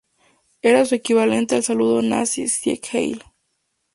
Era su equivalente al saludo Nazi "Sieg Heil".